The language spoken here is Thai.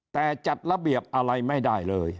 แต่จัดระเบียบอะไรไม่ได้เลย